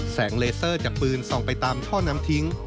เลเซอร์จากปืนส่องไปตามท่อน้ำทิ้ง